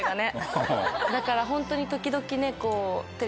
だからホントに時々。